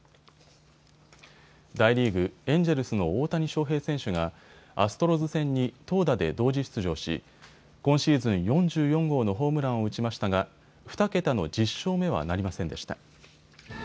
大リーグ、エンジェルスの大谷翔平選手がアストロズ戦に投打で同時出場し、今シーズン４４号のホームランを打ちましたが２桁の１０勝目はなりませんでした。